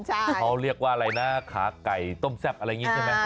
เขาเรียกว่าอะไรนะขาไก่ต้มแซ่บอะไรอย่างนี้ใช่ไหม